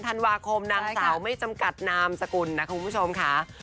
ธันวาคมนางสาวไม่จำกัดนามสกุลนะคุณผู้ชมค่ะ